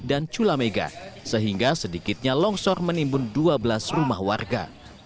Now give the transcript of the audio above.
dan culamega sehingga sedikitnya longsor menimbun dua belas rumah warga